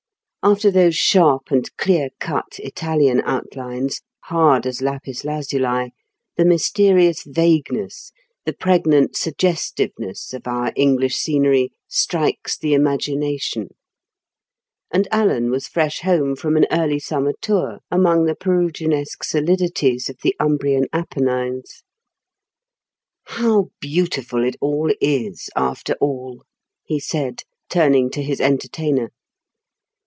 After those sharp and clear cut Italian outlines, hard as lapis lazuli, the mysterious vagueness, the pregnant suggestiveness, of our English scenery strikes the imagination; and Alan was fresh home from an early summer tour among the Peruginesque solidities of the Umbrian Apennines. "How beautiful it all is, after all," he said, turning to his entertainer.